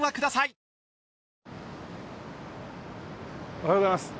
おはようございます。